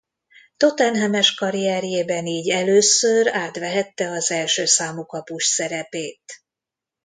Tottenham-es karrierjében így először átvehette az első számú kapus szerepét.